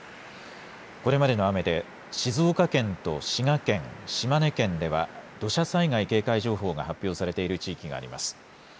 これまでの雨で静岡県と滋賀県、島根県では土砂災害警戒情報が発表されている地域があります。